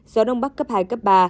gió đông bắc cấp hai cấp ba